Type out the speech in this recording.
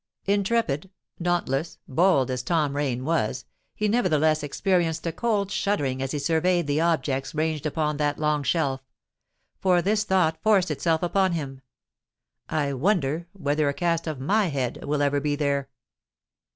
Intrepid—dauntless—bold as Tom Rain was, he nevertheless experienced a cold shuddering as he surveyed the objects ranged upon that long shelf; for this thought forced itself upon him—"I wonder whether a cast of MY _head will ever be there!